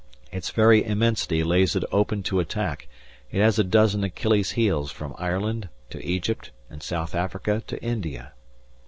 Its very immensity lays it open to attack, it has a dozen Achilles heels from Ireland to Egypt and South Africa to India.